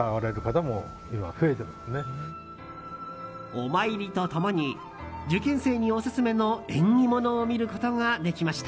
お参りと共に受験生にオススメの縁起物を見ることができました。